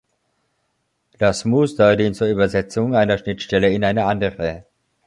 Das Muster dient zur Übersetzung einer Schnittstelle in eine andere.